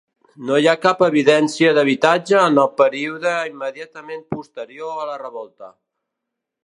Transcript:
No hi ha cap evidència d'habitatge en el període immediatament posterior a la Revolta.